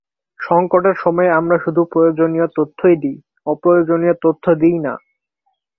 সঙ্কটের সময়ে আমরা শুধু প্রয়োজনীয় তথ্যই দিই, অপ্রয়োজনীয় তথ্য দিই না!